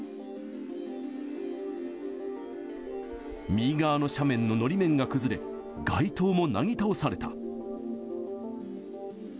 右側の斜面ののり面が崩れ、街灯もなぎ倒された。